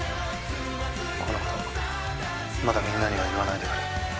このことまだみんなには言わないでくれ。